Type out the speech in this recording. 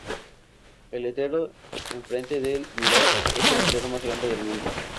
El letrero en frente del Mirage es el más grande del mundo.